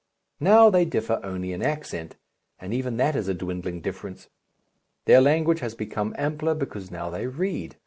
Now they differ only in accent, and even that is a dwindling difference. Their language has become ampler because now they read.